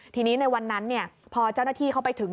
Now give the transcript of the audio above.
ทีนี้ในวันนั้นพอเจ้าหน้าที่เข้าไปถึง